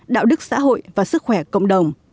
đạo đức xã hội và sức khỏe cộng đồng